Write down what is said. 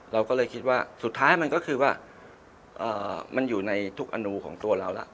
เราก็เลยคิดว่าสุดท้ายมันก็คือว่ามันอยู่ในทุกอนุของตัวเราแล้ว